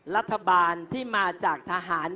และทะบานที่มาจากทหาร